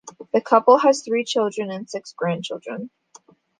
The couple has three children and six grandchildren.